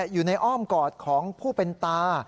อยู่ในอ้อมกอดของผู้เป็นตา